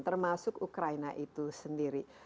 termasuk ukraina itu sendiri